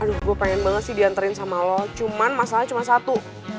aduh gue pengen banget sih diantarin sama lo cuma masalahnya cuma satu